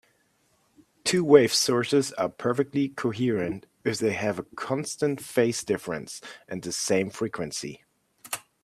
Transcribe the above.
Two-wave sources are perfectly coherent if they have a constant phase difference and the same frequency.